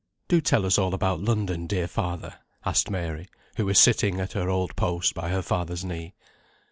"Do tell us all about London, dear father," asked Mary, who was sitting at her old post by her father's knee.